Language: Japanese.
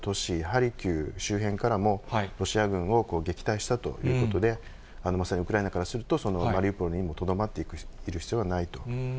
ハルキウ周辺からも、ロシア軍を撃退したということで、まさに、ウクライナからすると、マリウポリにとどまっている必要はないと。